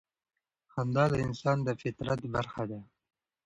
خندا د انسان د فطرت برخه ده.